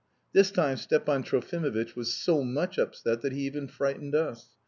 This time Stepan Trofimovitch was so much upset that he even frightened us.